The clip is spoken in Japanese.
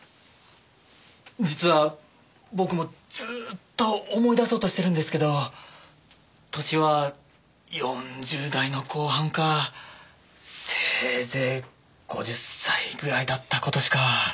実は僕もずーっと思い出そうとしてるんですけど歳は４０代の後半かせいぜい５０歳ぐらいだった事しか。